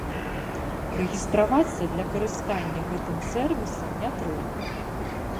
Рэгістравацца для карыстання гэтым сэрвісам не трэба.